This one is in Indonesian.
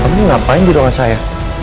kamu ngapain di ruangan saya